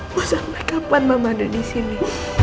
bu sampai kapan mama ada di sini